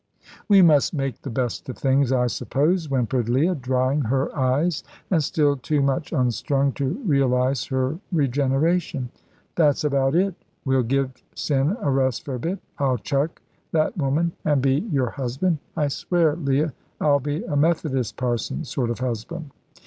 "We must make the best of things, I suppose," whimpered Leah, drying her eyes, and still too much unstrung to realise her regeneration. "That's about it. We'll give sin a rest for a bit. I'll chuck that woman, and be your husband. I swear, Leah, I'll be a Methodist parson sort of husband."